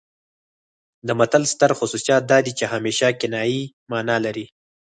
د متل ستر خصوصیت دا دی چې همیشه کنايي مانا لري